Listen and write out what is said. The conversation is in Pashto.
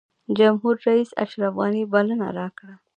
جمهورریس اشرف غني بلنه راکړه.